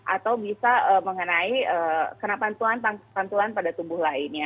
atau bisa mengenai kena pantulan pada tubuh lainnya